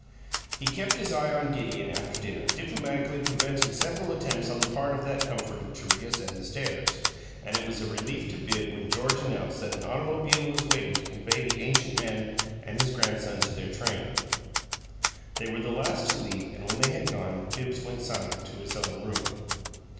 He kept his eye on Gideon after dinner, diplomatically preventing several attempts on the part of that comforter to reascend the stairs; and it was a relief to Bibbs when George announced that an automobile was waiting to convey the ancient man and his grandson to their train. They were the last to leave, and when they had gone Bibbs went sighing to his own room.